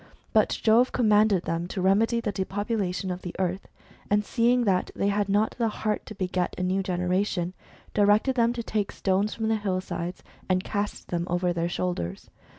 But Jove commanded them to remedy the depopulation of the earth, and seeing that they had not the heart to beget a new generation, directed them to take stones from the hill sides, and cast them over their shoulders.